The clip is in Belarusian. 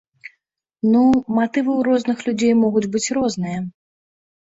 Ну, матывы ў розных людзей могуць быць розныя.